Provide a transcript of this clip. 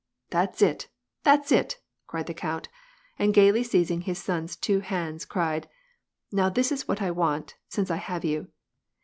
" That's it, that's it," cried the count, and gayly seizing hi son's two hands cried :" Now this is what I want, since have you.